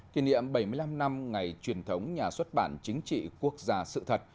kỷ niệm bảy mươi năm năm ngày truyền thống nhà xuất bản chính trị quốc gia sự thật